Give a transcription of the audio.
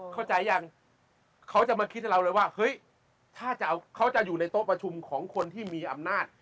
เข้าใจยังเขาจะมาคิดให้เราเลยว่าเฮ้ยถ้าจะเอาเขาจะอยู่ในโต๊ะประชุมของคนที่มีอำนาจ